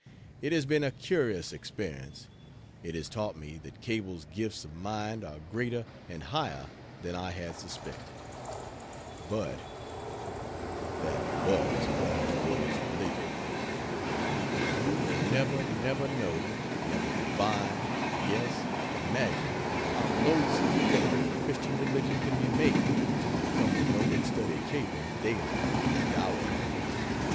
It has been a curious experience. It has taught me that Cable's gifts of mind are greater and higher than I had suspected. But That "But" is pointing toward his religion. You will never, never know, never divine, guess, imagine, how loathsome a thing the Christian religion can be made until you come to know and study Cable daily and hourly.